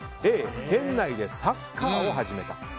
Ａ、店内でサッカーを始めた。